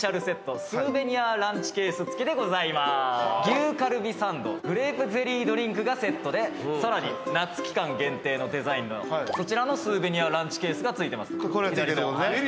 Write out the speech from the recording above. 牛カルビサンドグレープゼリードリンクがセットでさらに夏期間限定のデザインのそちらのスーベニアランチケースが付いてます。